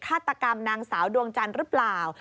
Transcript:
ฆาตกรรมนางสาวดวงจันทร์หรือเปล่า